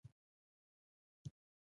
سترګه يې تکه شنه وه.